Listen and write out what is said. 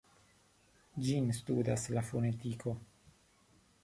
Ĝin studas la fonetiko.